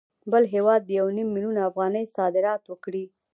بل هېواد یو نیم میلیون افغانۍ صادرات وکړي